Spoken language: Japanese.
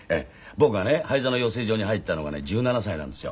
僕がね俳優座の養成所に入ったのがね１７歳なんですよ。